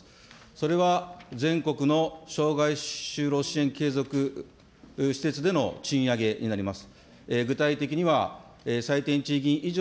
それは、全国の障害就労施設での賃上げになります。